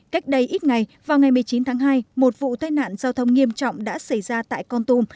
cách đây ít ngày vào ngày một mươi chín tháng hai một vụ tai nạn giao thông nghiêm trọng đã xảy ra tại con tum